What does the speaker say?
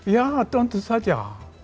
ya tentu saja